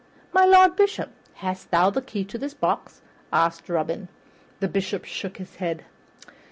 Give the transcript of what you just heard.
"My Lord Bishop, hast thou the key of this box?" asked Robin. The Bishop shook his head.